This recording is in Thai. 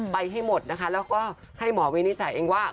ไปให้หมดนะคะแล้วก็ให้หมอวินิจฉัยเองว่า